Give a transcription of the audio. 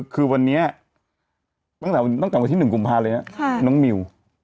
คือวันนี้ตั้งแต่วันที่๑กุมภาเลยนะน้องมิว